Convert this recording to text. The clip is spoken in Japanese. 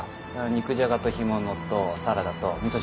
肉じゃがと干物とサラダと味噌汁とかでいいから。